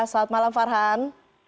selamat malam farhan